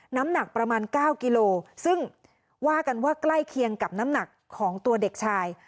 น้ำหนักประมาณ๙กิโลซึ่งว่ากันว่าใกล้เคียงกับน้ำหนักของตัวเด็กชาย